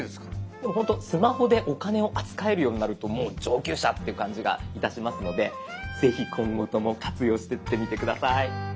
でもほんとスマホでお金を扱えるようになるともう上級者っていう感じがいたしますのでぜひ今後とも活用してってみて下さい。